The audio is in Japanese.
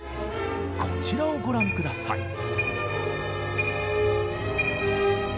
こちらをご覧ください。